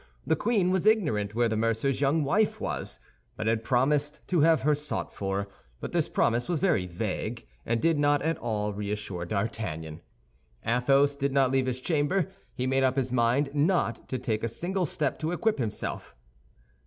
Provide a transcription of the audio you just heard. The queen was ignorant where the mercer's young wife was, but had promised to have her sought for; but this promise was very vague and did not at all reassure D'Artagnan. Athos did not leave his chamber; he made up his mind not to take a single step to equip himself.